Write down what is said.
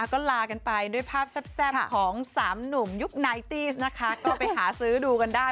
ก็ไปหาซื้อดูกันได้